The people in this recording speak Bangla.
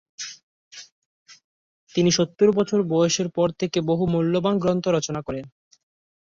তিনি সত্তর বছর বয়সের পর থেকে বহু মূল্যবান গ্রন্থ রচনা করেন।